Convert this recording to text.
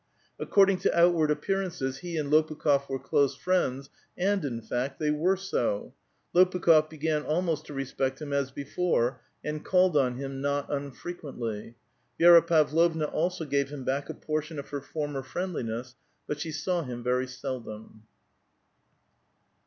According to outward ap pearances, lie and l^pukh6f were close friends, and, in fact, tliey were so. Lopukh6f began almost to respect him as iKifore, and called on him not unfrequently. Vi6ra Pavlovna also gave him back a portion of her former friendliness ; but she saw him very seldom.